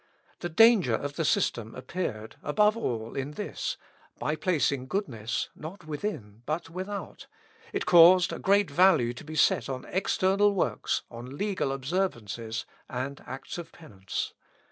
The danger of the system appeared, above all, in this by placing goodness, not within, but without, it caused a great value to be set on external works, on legal observances, and acts of penance.